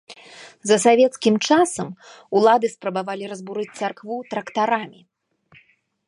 За савецкім часам улады спрабавалі разбурыць царкву трактарамі.